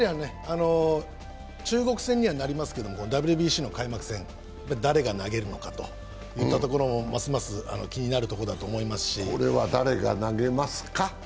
中国戦にはなりますけどＷＢＣの開幕戦、誰が投げるのかといったところもますます気になるところだとこれは誰が投げますか？